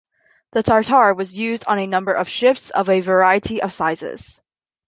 The Tartar was used on a number of ships, of a variety of sizes.